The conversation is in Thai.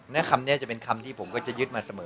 และคำนี้จะเป็นคำที่ผมก็จะยึดมาเสมอ